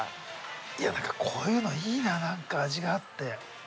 いやだからこういうのいいな何か味があって。